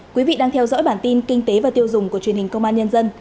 quý vị đang theo dõi bản tin kinh tế và tiêu dùng của truyền hình công an nhân dân